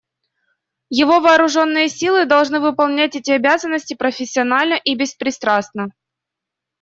Его вооруженные силы должны выполнять эти обязанности профессионально и беспристрастно.